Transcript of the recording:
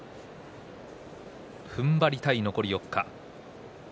ふんばりたい残り４日間。